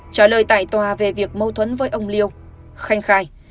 trả lời tại tòa về việc mâu thuẫn với ông liêu khanh khai